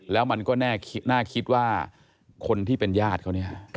แล้วมันก็น่าคิดว่าคนที่เป็นญาติเขาเนี่ย